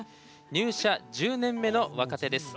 入社１０年目の若手です。